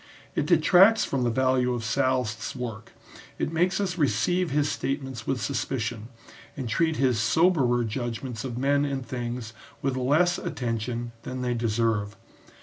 It detracts from the value of Sallust's work, it makes us receive his statements with suspicion, and treat his soberer judgments of men and things with less attention than they deserve.